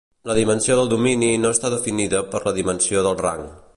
La dimensió del domini no està definida per la dimensió del rang.